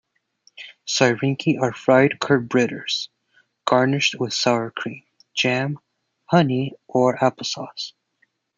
Syrniki are fried curd fritters, garnished with sour cream, jam, honey or apple sauce.